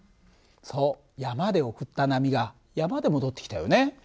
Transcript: そう山で送った波が山で戻ってきたよね。